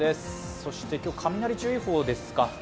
そして今日、雷注意報ですか。